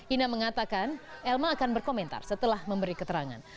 ina mengatakan elma akan berkomentar setelah memberi keterangan